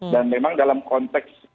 dan memang dalam konteks